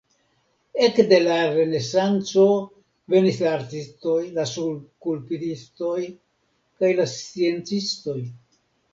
Ekde la renesanco venis la artistoj, la skulptistoj kaj la sciencistoj.